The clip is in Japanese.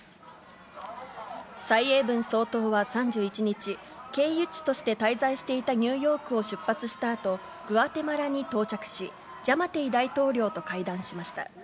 蔡英文総統は３１日、経由地として滞在していたニューヨークを出発したあと、グアテマラに到着し、ジャマテイ大統領と会談しました。